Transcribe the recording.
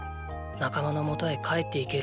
仲間の元へ帰って行ける